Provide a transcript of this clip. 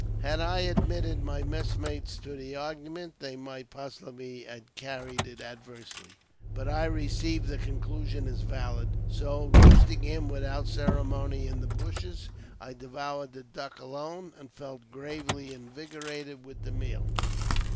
Had I admitted my messmates to the argument, they might possibly have carried it adversely. But I received the con clusion as valid ; so, roasting him without ceremony in the bushes, I devoured the duck alone, and felt greatly invigorated with the meal.